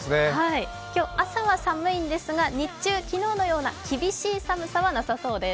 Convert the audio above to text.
今日、朝は寒いんですが日中、昨日のような厳しい寒さはなさそうです。